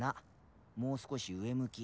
もう少し上向き。